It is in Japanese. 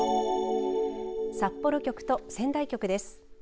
札幌局と仙台局です。